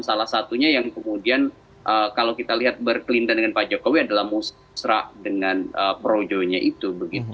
salah satunya yang kemudian kalau kita lihat berkelindahan dengan pak jokowi adalah musra dengan projonya itu